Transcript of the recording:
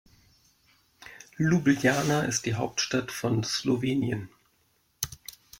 Ljubljana ist die Hauptstadt von Slowenien.